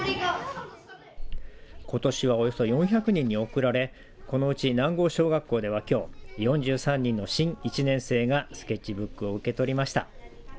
ことしはおよそ４００人に贈られこのうち南郷小学校では、きょう４３人の新１年生がスケッチブックを受け取りました。